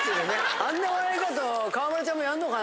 あんな笑い方川村ちゃんもやんのかな。